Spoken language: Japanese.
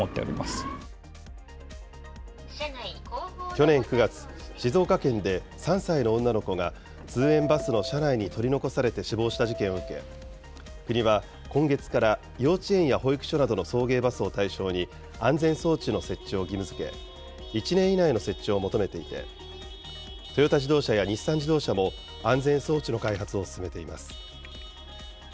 去年９月、静岡県で３歳の女の子が通園バスの車内に取り残されて死亡した事件を受け、国は今月から幼稚園や保育所などの送迎バスを対象に、安全装置の設置を義務づけ、１年以内の設置を求めていて、トヨタ自動車や日産自動車も、安全装置の開発を進めています。